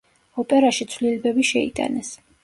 ოპერაში ცვლილებები შეიტანეს.